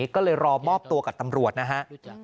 ก็เลยรอมอบตัวกับตำรวจนะฮะ